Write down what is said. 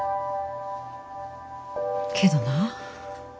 けどな。